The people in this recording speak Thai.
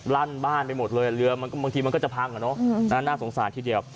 ลั่นบ้านไปหมดเลยเรือมันก็บางทีมันก็จะพังอ่ะเนอะน่าสงสารทีเดียว